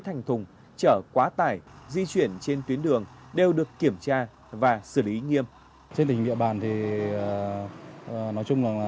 thành thùng cơ nới tiếp theo